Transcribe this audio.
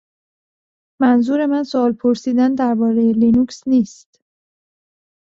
منظور من سؤال پرسیدن دربارهٔ لینوکس نیست